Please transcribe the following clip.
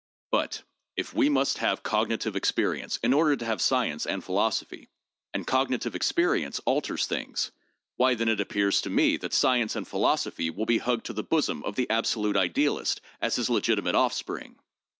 But if we must have cognitive experience in order to have science and philosophy, and cognitive experience alters things, why then it appears to me that science and philosophy will be hugged to the bosom of the absolute idealist as his legitimate offspring!